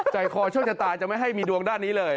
ใกล้คอช่วงจะตายจะไม่ให้มีดวงด้านนี้เลย